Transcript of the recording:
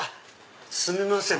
すみません